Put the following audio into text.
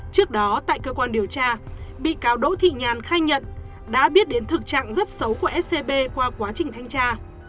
trước đó tại cơ quan điều tra bị cáo đỗ thị nhàn khai nhận đã biết đến thực trạng rất xấu của scb qua quá trình thanh tra